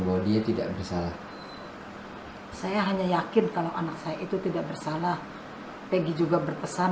bahwa dia tidak bersalah saya hanya yakin kalau anak saya itu tidak bersalah peggy juga berpesan